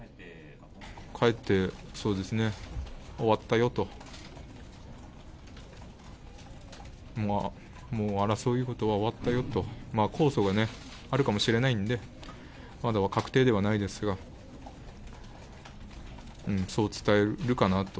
帰って、そうですね、終わったよと、もう争い事は終わったよと、控訴がね、あるかもしれないんで、まだ確定ではないですが、そう伝えるかなと。